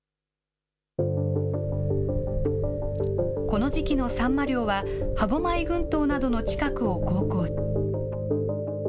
この時期のサンマ漁は、歯舞群島などの近くを航行。